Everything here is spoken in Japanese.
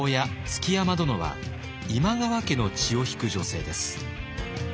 築山殿は今川家の血を引く女性です。